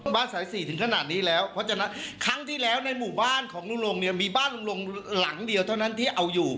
สาย๔ถึงขนาดนี้แล้วเพราะฉะนั้นครั้งที่แล้วในหมู่บ้านของลุงลงเนี่ยมีบ้านลุงลงหลังเดียวเท่านั้นที่เอาอยู่